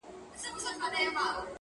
په خوله الله، په زړه کي غلا.